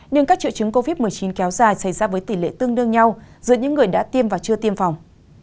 nhưng các triệu chứng covid một mươi chín kéo dài xảy ra với tỷ lệ tương đương nhau giữa những người đã tiêm và chưa tiêm phòng